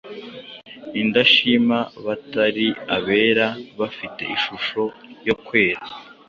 indashima, batari abera;... Bafite ishusho yo kwera,